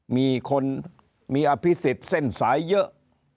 มีคนมีอภิษฎเส้นสายเยอะ